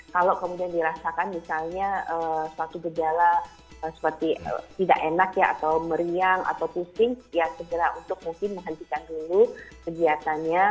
kalau kemudian dirasakan misalnya suatu gejala seperti tidak enak ya atau meriang atau pusing ya segera untuk mungkin menghentikan dulu kegiatannya